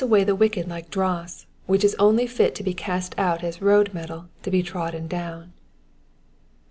away the wicked like dross, which is only fit to be cast out as road metal to be trodden down.